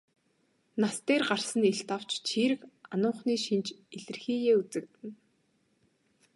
Нас дээр гарсан нь илт авч чийрэг ануухны шинж илэрхийеэ үзэгдэнэ.